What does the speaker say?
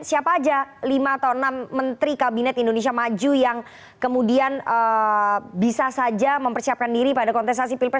siapa aja lima atau enam menteri kabinet indonesia maju yang kemudian bisa saja mempersiapkan diri pada kontestasi pilpres dua ribu sembilan